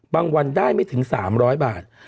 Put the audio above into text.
วันได้ไม่ถึง๓๐๐บาท